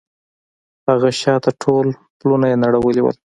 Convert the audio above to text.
هغه شاته ټول پلونه يې نړولي وو.